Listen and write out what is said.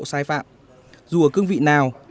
sai phạm dù ở cương vị nào